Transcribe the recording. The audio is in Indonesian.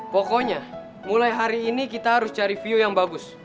pokoknya mulai hari ini kita harus cari view yang bagus